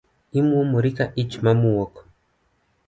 Imuomori ka ich mamwuok